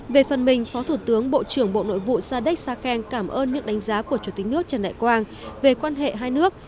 về phần mình phó thủ tướng bộ trưởng bộ nội vụ sadek sakeng cảm ơn những đánh giá của chủ tịch nước trần đại quang về quan hệ hai nước